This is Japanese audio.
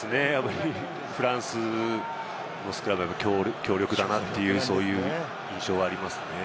フランスのスクラムは強力だなという印象がありますね。